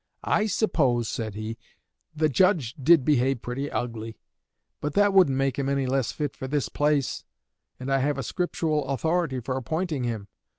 "I suppose," said he, "the Judge did behave pretty ugly; but that wouldn't make him any less fit for this place, and I have a Scriptural authority for appointing him.